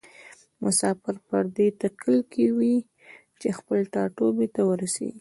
مسافر پر دې تکل کې وي چې خپل ټاټوبي ته ورسیږي.